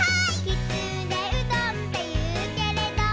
「きつねうどんっていうけれど」